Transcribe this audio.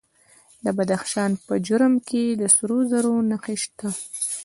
د بدخشان په جرم کې د سرو زرو نښې شته.